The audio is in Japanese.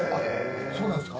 そうなんですか？